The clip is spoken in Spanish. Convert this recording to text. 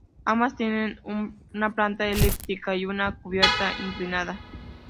Ambas tienen una planta elíptica y una cubierta inclinada.